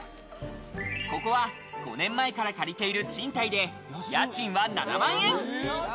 ここは５年前から借りている賃貸で、家賃は７万円。